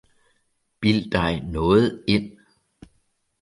Bild dig noget ind!